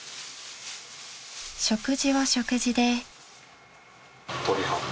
［食事は食事で］